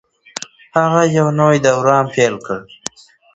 هغه یو نوی دوران پیل کړ.